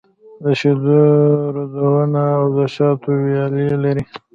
د شېدو رودونه او د شاتو ويالې لري.